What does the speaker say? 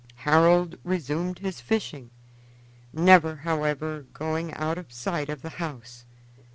Harold resumed his fishing; never, however, going out of sight of the house.